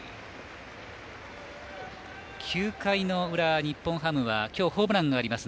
９回の裏、日本ハムはきょうホームランがあります。